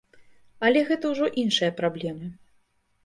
Але гэта ўжо іншыя праблемы.